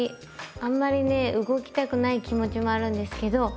あんまりね動きたくない気持ちもあるんですけど。